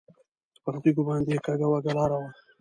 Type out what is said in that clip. پر تیږو باندې کږه وږه لاره وه.